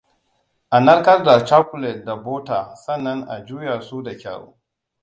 A narkar da cakulet da bota sannan a juya su da kyau.